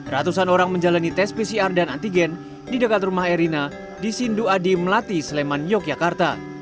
ratusan orang menjalani tes pcr dan antigen di dekat rumah erina di sindu adi melati sleman yogyakarta